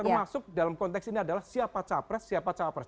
masuk dalam konteks ini adalah siapa capres siapa capres